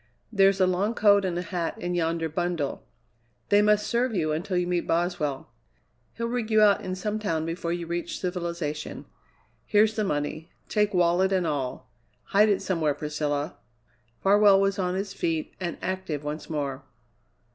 There's a long coat and a hat in yonder bundle. They must serve you until you meet Boswell. He'll rig you out in some town before you reach civilization. Here's the money; take wallet and all. Hide it somewhere, Priscilla." Farwell was on his feet and active once more.